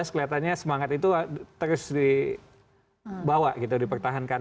dua ribu tujuh belas kelihatannya semangat itu terus dibawa gitu dipertahankan